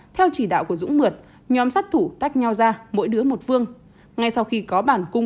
theo chỉ đạo của dũng mượt nhóm sát thủ tách nhau ra mỗi đứa một phương ngay sau khi có bản cung